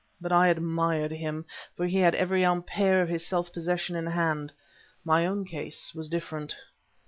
But I admired him, for he had every ampere of his self possession in hand; my own case was different.